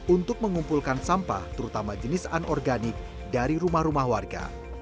untuk mengumpulkan sampah terutama jenis anorganik dari rumah rumah warga